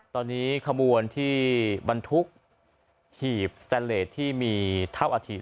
ตอนนี้ขบวนที่บรรทุกหีบสแตนเลสที่มีเท่าอาถิ